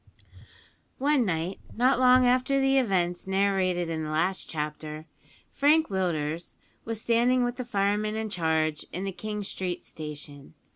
One night, not long after the events narrated in the last chapter, Frank Willders was standing with the fireman in charge in the King Street Station.